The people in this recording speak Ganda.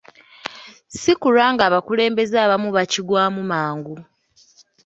Si kulwanga abakulembeze abamu bakigwamu mangu.